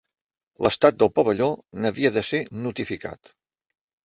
L'estat del pavelló n'havia de ser notificat.